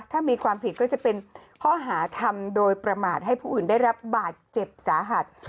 ถ้ามีความผิดก็จะเป็นข้อหาทำโดยประมาทให้ผู้อื่นได้รับบาดเจ็บสาหัส